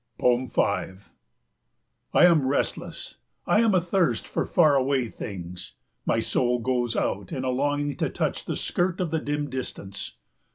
5 I am restless. I am athirst for far away things. My soul goes out in a longing to touch the skirt of the dim distance.